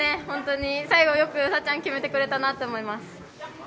本当に最後よくさっちゃん決めてくれたなと思います。